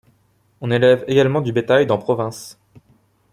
On élève également du bétail dans province.